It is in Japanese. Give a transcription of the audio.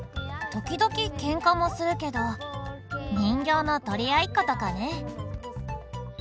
時々ケンカもするけど人形の取り合いっことかね。